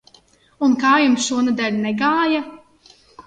Un kā jums šonedēļ negāja?